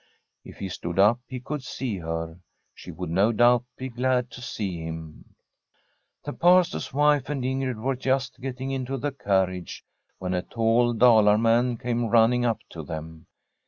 If he stood up, he could see her. She would, no doubt, be glad to see Imn. The Pastor's wife and Ingrid were just getting into the carnage, when a tall Dalar man came running up to them.